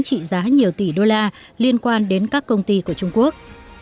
trị giá nhiều tỷ usd liên quan đến các công ty của trung quốc